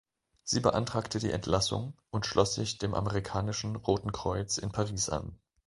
Sie beantragte die Entlassung und schloss sich dem amerikanischen Roten Kreuz in Paris an.